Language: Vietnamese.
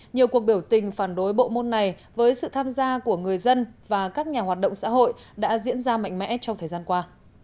nhiều cuộc biểu tình phản đối bộ môn này với sự tham gia của người dân và các nhà hoạt động xã hội đã diễn ra mạnh mẽ trong thời gian qua